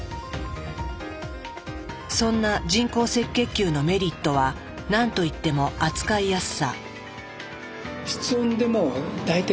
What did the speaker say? そんな人工赤血球のメリットは何といっても扱いやすさ。